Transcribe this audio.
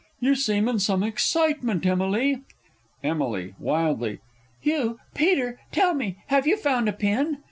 You seem in some excitement, Emily? Emily (wildly). You, Peter!... tell me have you found a pin?